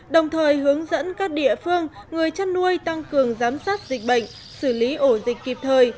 đồng thời hướng dẫn các địa phương người chăn nuôi tăng cường giám sát dịch bệnh xử lý ổ dịch kịp thời